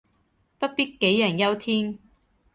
不必杞人憂天